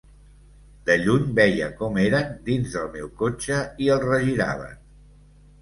De lluny, veia com eren dins del meu cotxe i el regiraven.